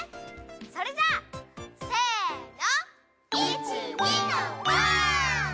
それじゃせの！